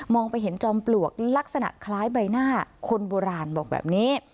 ไปเห็นจอมปลวกลักษณะคล้ายใบหน้าคนโบราณบอกแบบนี้